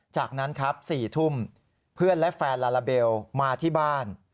จากนั้นครับ๔ทุ่มเพื่อนและแฟนลาลาเบลมาที่บ้าน